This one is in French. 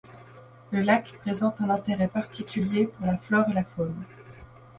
Le lac présente un intérêt particulier pour la flore et la faune.